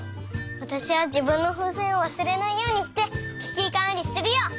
わたしはじぶんのふうせんをわすれないようにしてききかんりするよ！